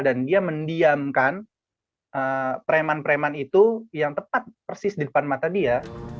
dan dia mendiamkan preman preman itu yang tepat persis di depan mata dia